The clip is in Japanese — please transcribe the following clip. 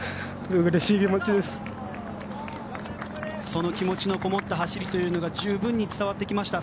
その気持ちのこもった走りというのが十分に伝わってきました。